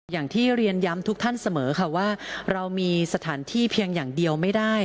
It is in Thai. อย่างที่เรียนย้ำทุกท่านเสมอค่ะว่าเรามีสถานที่เพียงอย่างเดียวไม่ได้